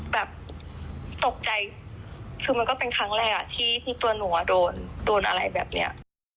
แบบตกใจคือมันก็เป็นครั้งแรกที่ตัวหนูโดนโดนอะไรแบบเนี้ย